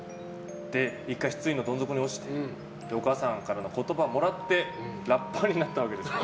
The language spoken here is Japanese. １回、失意のどん底に落ちてお母さんからの言葉をもらってラッパーになったわけです。